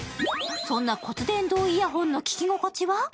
そんな骨伝導イヤホンの聴き心地は？